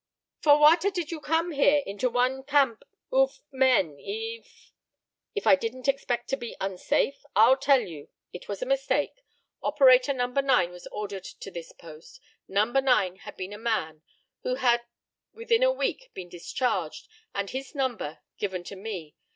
"For what a did you come here, into one camp oof men eef " "If I didn't expect to be unsafe? I'll tell you. It was a mistake. Operator No. 9 was ordered to this post. No. 9 had been a man, who had within a week been discharged, and his number given to me.